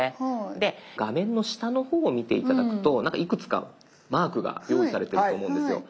で画面の下の方を見て頂くとなんかいくつかマークが用意されていると思うんですよ。